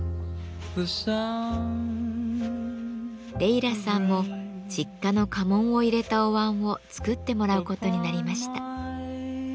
レイラさんも実家の家紋を入れたお椀を作ってもらう事になりました。